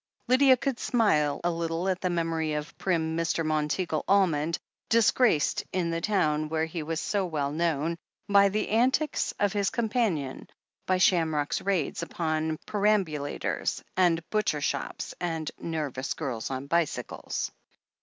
Lydia could smile a little at the memory of prim Mr. Monteagle Almond, disgraced in the town where he was so well known, by the antics of his companion, by Shamrock's raids upon perambulators, and butchers' shops and nervous girls on bicycles.